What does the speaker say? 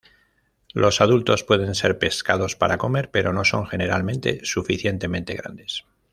Los adultos pueden ser pescados para comer, pero no son generalmente suficientemente grandes.